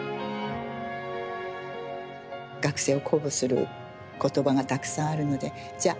学生を鼓舞する言葉がたくさんあるのでじゃ